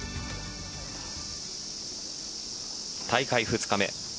大会２日目。